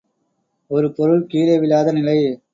ஒரு பொருள் கீழே விழாத நிலை.